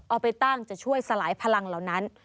เอาไปตั้งจะช่วยสลายพลังเหล่านั้น